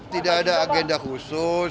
tidak ada agenda khusus